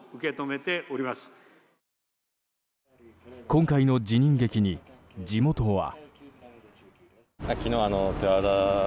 今回の辞任劇に地元は。